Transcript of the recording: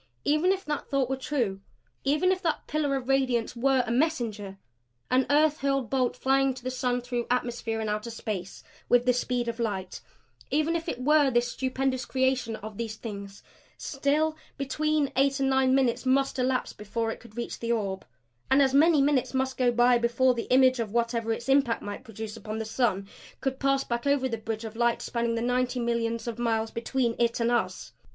Even if that thought were true even if that pillar of radiance were a MESSENGER, an earth hurled bolt flying to the sun through atmosphere and outer space with the speed of light, even if it were this stupendous creation of these Things, still between eight and nine minutes must elapse before it could reach the orb; and as many minutes must go by before the image of whatever its impact might produce upon the sun could pass back over the bridge of light spanning the ninety millions of miles between it and us.